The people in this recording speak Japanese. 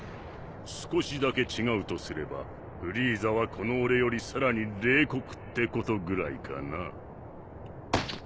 少しだけ違うとすればフリーザはこの俺よりさらに冷酷ってことぐらいかな。